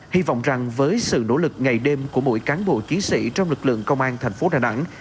hy vọng rằng với sự nỗ lực ngày đêm của mỗi cán bộ chiến sĩ trong lực lượng công an thành phố đà nẵng